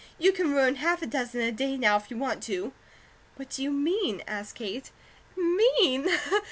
"You can ruin half a dozen a day now, if you want to." "What do you mean?" asked Kate. "'Mean?'"